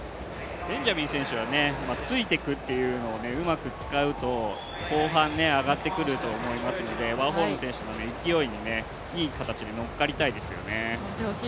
ベンジャミン選手はついていくというのをうまく使うと後半、上がってくると思いますのでワーホルム選手の勢いにいい形でのっかりたいですよね。